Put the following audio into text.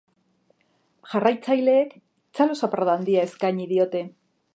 Jarraitzaileek txalo-zaparrada handia eskaini diote.